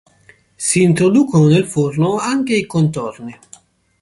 Si introducono nel forno anche i contorni.